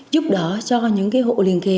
giúp đỡ cho những hộ liền kề